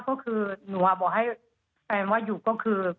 ก็คือหนูบอกให้แฟนว่าอยู่ก็คือ